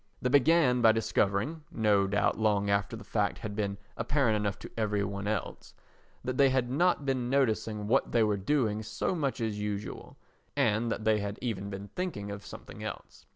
They began by discovering (no doubt long after the fact had been apparent enough to every one else) that they had not been noticing what they were doing so much as usual, and that they had been even thinking of something else.